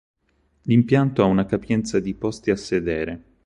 L'impianto ha una capienza di posti a sedere.